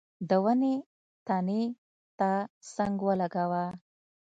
د ونې تنې ته څنګ ولګاوه.